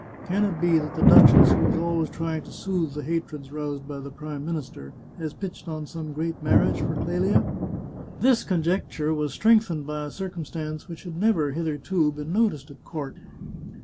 Can it be that the duchess, who is always trying to soothe the hatreds roused by the Prime Minister, has pitched on some great marriage for Clelia ?" This conjecture was strength ened by a circumstance which had never, hitherto, been noticed at court.